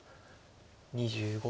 ２５秒。